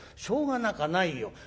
「しょうがなかないよ。